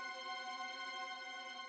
tidak ada keputusan